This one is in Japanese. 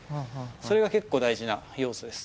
それが結構大事な要素です。